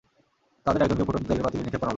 তাদের একজনকে ফুটন্ত তেলের পাতিলে নিক্ষেপ করা হল।